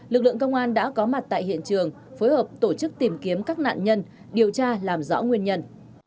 lực lượng công an đã có mặt tại hiện trường phối hợp tổ chức tìm kiếm các nạn nhân điều tra làm rõ nguyên nhân